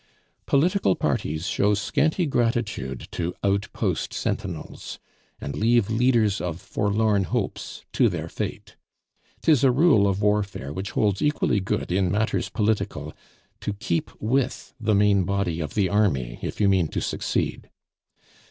Political parties show scanty gratitude to outpost sentinels, and leave leaders of forlorn hopes to their fate; 'tis a rule of warfare which holds equally good in matters political, to keep with the main body of the army if you mean to succeed.